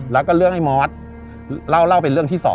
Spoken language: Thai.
แล้วก็เรื่องไอ้มอสเล่าเป็นเรื่องที่๒